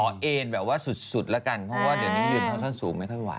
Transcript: เอ็นแบบว่าสุดแล้วกันเพราะว่าเดี๋ยวนี้ยืนเท้าสั้นสูงไม่ค่อยไห